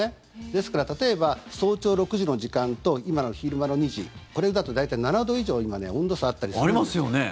ですから、例えば早朝６時の時間と今の昼間の２時これだと大体７度以上今、温度差あったりするんです。